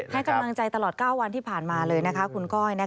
ให้กำลังใจตลอด๙วันที่ผ่านมาเลยคุณก้อย